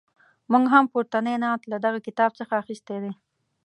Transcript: موږ هم پورتنی نعت له دغه کتاب څخه اخیستی دی.